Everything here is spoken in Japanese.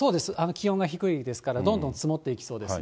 気温が低いですから、どんどん積もっていきそうです。